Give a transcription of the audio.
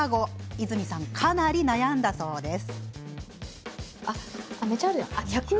和泉さん、かなり悩んだそうです。